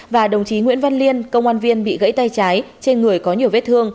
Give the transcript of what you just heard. và đồng chí nguyễn văn liên công an viên bị gãy tay trái trên người có nhiều vết thương